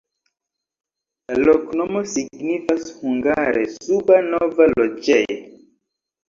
La loknomo signifas hungare: suba-nova-loĝej'.